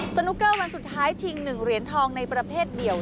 สนุกเกอร์วันสุดท้ายชิง๑เหรียญทองในประเภทเดียว